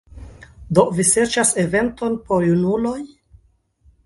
Do vi serĉas eventon por junuloj?